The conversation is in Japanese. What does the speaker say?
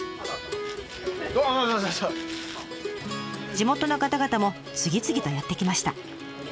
地元の方々も次々とやって来ました。